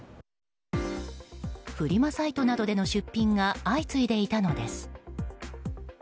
フリマサイトなどでの出品が相次いでいたのです。